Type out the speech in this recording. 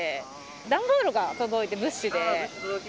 段ボールが届いて、物資で。